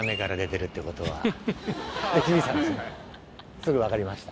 すぐ分かりました。